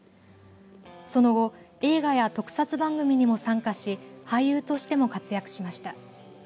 その後、映画や特撮番組にも参加し俳優としても活躍しました。